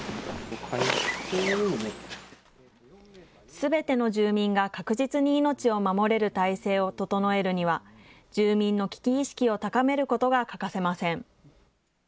すべての住民が確実に命を守れる体制を整えるには、住民の危機意識を高めることが欠かせません。